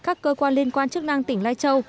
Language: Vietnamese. các cơ quan liên quan chức năng tỉnh lai châu